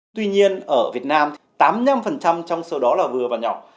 tuy nhiên ở việt nam thì tám mươi năm trong số đó là vừa và nhỏ